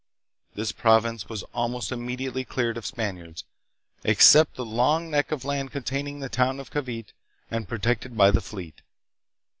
This province was almost immediately cleared of Spaniards, except the long neck of land containing the town of Cavite and protected by the fleet.